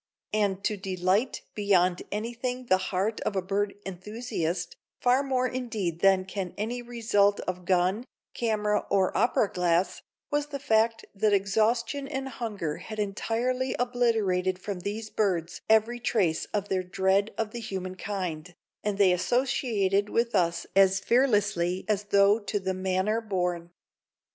And to delight beyond anything the heart of a bird enthusiast, far more indeed than can any result of gun, camera or opera glass, was the fact that exhaustion and hunger had entirely obliterated from these birds every trace of their dread of the human kind, and they associated with us as fearlessly as tho' to the manor born.